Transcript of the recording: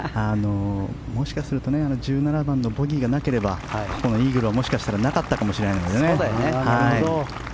もしかすると１７番のボギーがなければこのイーグルは、もしかしたらなかったかもしれないのでね。